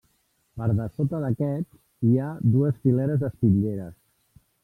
Per dessota d'aquests, hi ha dues fileres d'espitlleres.